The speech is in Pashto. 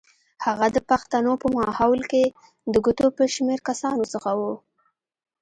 هغه د پښتنو په ماحول کې د ګوتو په شمېر کسانو څخه و.